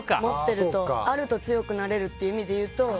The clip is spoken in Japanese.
持ってるとあると強くなれるっていう意味で言うと。